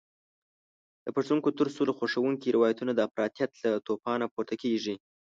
د پښتون کلتور سوله خوښونکي روایتونه د افراطیت له توپانه پورته کېږي.